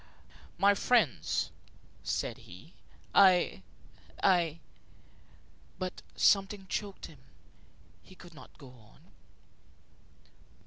"My friends," said he, "I I " But something choked him. He could not go on.